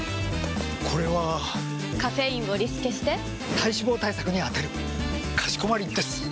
これはカフェインをリスケして体脂肪対策に充てるかしこまりです！！